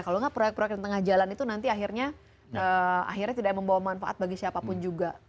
kalau nggak proyek proyek yang tengah jalan itu nanti akhirnya tidak membawa manfaat bagi siapapun juga